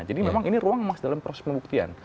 jadi memang ini ruang emas dalam proses pembuktian